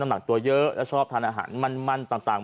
หนักตัวเยอะแล้วชอบทานอาหารมั่นต่าง